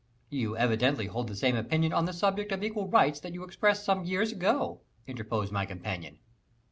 "You evidently hold the same opinion on the subject of equal rights that you expressed some years ago," interposed my companion.